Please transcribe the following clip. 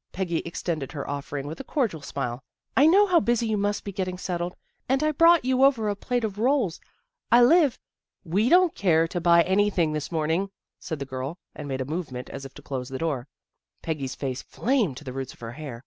" Peggy extended her offering with a cordial smile. " I know how busy you must be getting settled, and I brought you over a plate of rolls. I live " We don't care to buy anything this morn ing," said the girl, and made a movement as if to close the door. Peggy's face flamed to the roots of her hair.